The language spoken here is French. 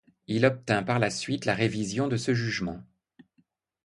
Il obtint, par la suite, la révision de ce jugement.